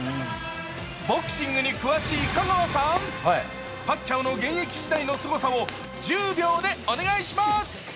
ボクシングに詳しい香川さん、パッキャオの現役時代のすごさを１０秒でお願いします。